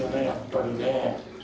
やっぱりね。